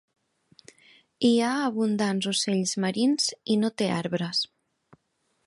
Hi ha abundants ocells marins i no té arbres.